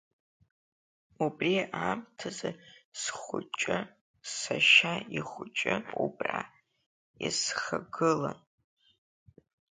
Убри аамҭазы схәыҷи сашьа ихәыҷи убра исхагылан.